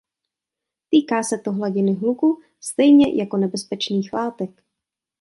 Týká se to hladiny hluku stejně jako nebezpečných látek.